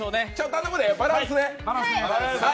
頼むで、バランスね。